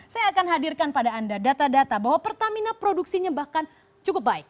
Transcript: saya akan hadirkan pada anda data data bahwa pertamina produksinya bahkan cukup baik